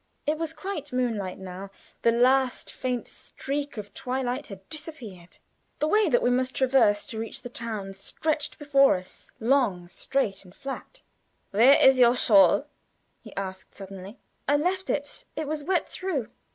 It was quite moonlight now; the last faint streak of twilight had disappeared. The way that we must traverse to reach the town stretched before us, long, straight, and flat. "Where is your shawl?" he asked, suddenly. "I left it; it was wet through."